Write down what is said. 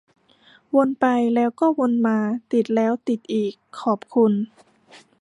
วนไปแล้วก็วนมา ติดแล้วติดอีก ขอบคุณ